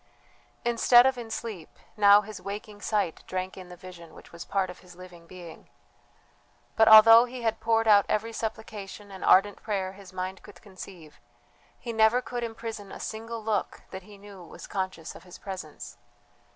Instead of in sleep, now his waking sight drank in the vision which was part of his living being. But although he had poured out every supplication and ardent prayer his mind could conceive, he never could imprison a single look that he knew was conscious of his presence.